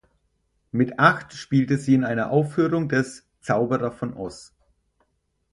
Mit acht spielte sie in einer Aufführung des "Zauberer von Oz".